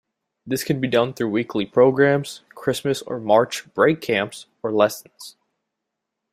This can be done through weekly programs, Christmas or March Break camps, or lessons.